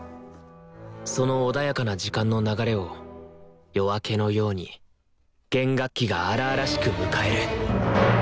その穏やかな時間の流れを夜明けのように弦楽器が荒々しく迎える！